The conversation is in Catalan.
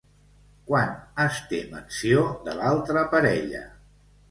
Quan es té menció de l'altra parella?